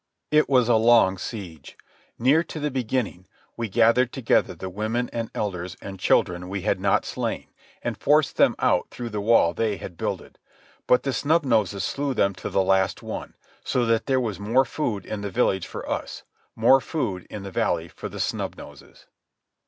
It was a long siege. Near to the beginning, we gathered together the women, and elders, and children we had not slain, and forced them out through the wall they had builded. But the Snub Noses slew them to the last one, so that there was more food in the village for us, more food in the valley for the Snub Noses.